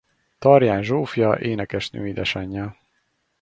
Tarján Zsófia énekesnő édesanyja.